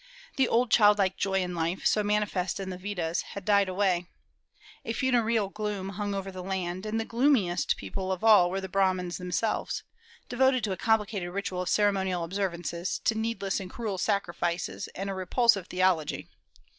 The old childlike joy in life, so manifest in the Vedas, had died away. A funereal gloom hung over the land; and the gloomiest people of all were the Brahmans themselves, devoted to a complicated ritual of ceremonial observances, to needless and cruel sacrifices, and a repulsive theology.